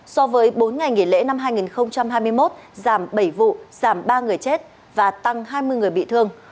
so với bốn ngày nghỉ lễ năm hai nghìn hai mươi một giảm bảy vụ giảm ba người chết và tăng hai mươi người bị thương